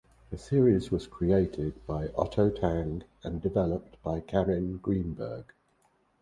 The series was created by Otto Tang and developed by Carin Greenberg.